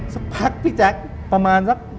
สักพักพี่แจ๊คประมาณสัก